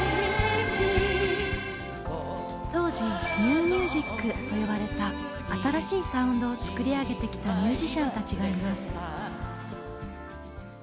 当時「ニューミュージック」と呼ばれた新しいサウンドを作り上げてきたミュージシャンたちがいます。